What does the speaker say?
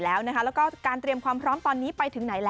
และการเตรียมความพร้อมไปถึงไหน